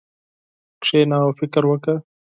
کښېنه او فکر وکړه.